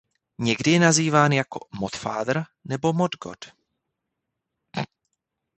Někdy je nazýván jako "Mod Father" nebo "Mod God".